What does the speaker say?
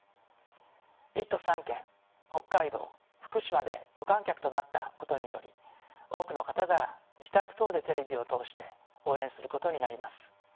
１都３県北海道福島で無観客となったことにより多くの方が自宅等でテレビを通して応援することになります。